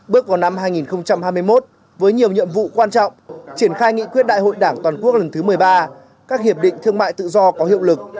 bước vào năm hai nghìn hai mươi một với nhiều nhiệm vụ quan trọng triển khai nghị quyết đại hội đảng toàn quốc lần thứ một mươi ba các hiệp định thương mại tự do có hiệu lực